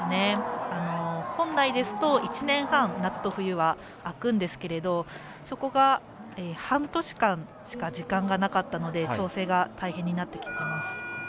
本来ですと１年半夏と冬は空くんですけれどそこが半年間しか時間がなかったので調整が大変になってきています。